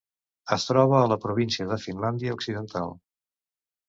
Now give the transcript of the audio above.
Es troba a la província de Finlàndia Occidental.